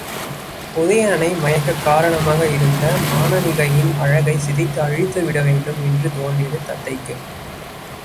உதயணனை மயக்கக் காரணமாக இருந்த மானனீகையின் அழகைச் சிதைத்து அழித்துவிட வேண்டும் என்று தோன்றியது தத்தைக்கு.